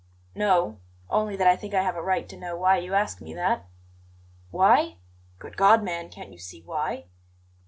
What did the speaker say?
"No; only that I think I have a right to know why you ask me that." "Why? Good God, man, can't you see why?"